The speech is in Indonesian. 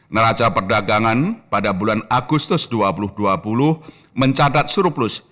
neraca perdagangan pada bulan agustus dua ribu dua puluh mencatat surplus